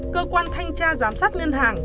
cơ quan thanh tra giám sát ngân hàng